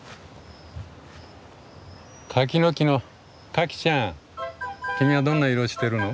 柿の木のカキちゃん君はどんな色をしてるの？